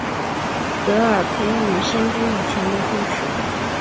德尔斐女先知以前的故事。